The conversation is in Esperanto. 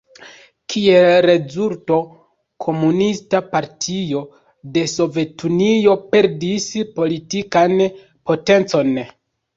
Kiel rezulto Komunista Partio de Sovetunio perdis politikan potencon.